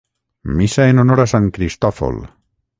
Missa en honor a sant Cristòfol.